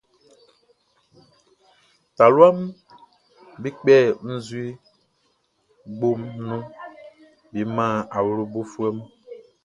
Taluaʼm be kpɛ nzue gboʼn nun be man awlobofuɛ mun.